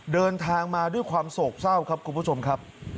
เดินทางมาด้วยความโศกเศร้าครับคุณผู้ชมครับ